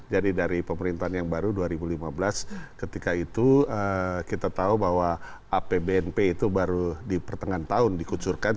jadi dari pemerintahan yang baru dua ribu lima belas ketika itu kita tahu bahwa apbnp itu baru di pertengahan tahun dikucurkan